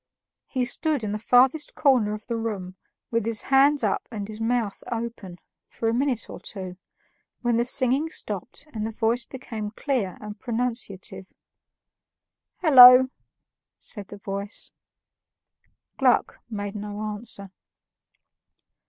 He stood in the farthest corner of the room, with his hands up and his mouth open, for a minute or two, when the singing stopped and the voice became clear and pronunciative. "Hollo!" said the voice. Gluck made no answer.